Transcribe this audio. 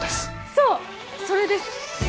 そうそれです